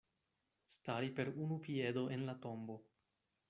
Stari per unu piedo en la tombo.